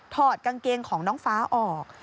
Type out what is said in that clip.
ถอดกางเกงของน้องฟ้าออก